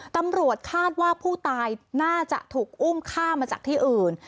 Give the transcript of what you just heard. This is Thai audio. ตำรวจคาดว่าผู้ตายน่าจะถูกอุ้มฆ่ามาจากที่อื่น